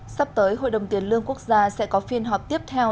sắp tới hội đồng tiền lương quốc gia sẽ có phiên họp tiếp theo